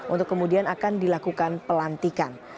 untuk kemudian akan dilakukan pelantikan